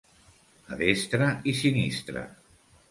A destra i sinistra.